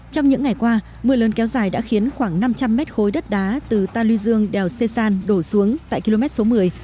trong những ngày qua mưa lớn kéo dài đã khiến khoảng năm trăm linh mét khối đất đá từ ta lưu dương đèo sê san đổ xuống tại km số một mươi